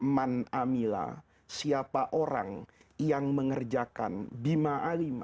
man amilah siapa orang yang mengerjakan bima'alima